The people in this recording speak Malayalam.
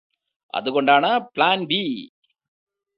അതുകൊണ്ടാണ് പ്ലാൻ ബി